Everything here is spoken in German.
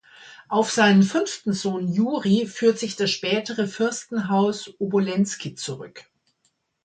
Auf seinen fünften Sohn Juri führt sich das spätere Fürstenhaus Obolenski zurück.